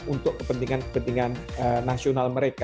untuk kepentingan kepentingan nasional mereka